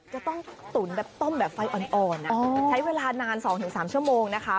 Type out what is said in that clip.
ตุ๋นแบบต้มแบบไฟอ่อนใช้เวลานาน๒๓ชั่วโมงนะคะ